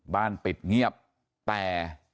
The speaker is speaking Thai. บ้านปิดเงียบแต่